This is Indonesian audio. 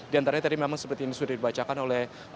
di antaranya tadi memang seperti ini sudah dibacakan oleh